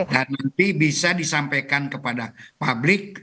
dan nanti bisa disampaikan kepada publik